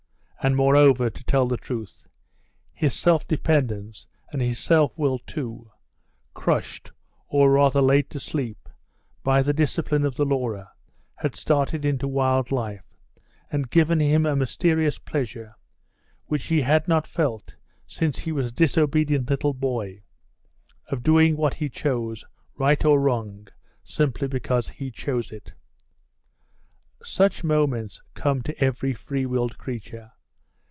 And moreover, to tell the truth, his self dependence, and his self will too, crushed, or rather laid to sleep, by the discipline of the Laura, had started into wild life, and gave him a mysterious pleasure, which he had not felt since he was a disobedient little boy, of doing what he chose, right or wrong, simply because he chose it. Such moments come to every free willed creature.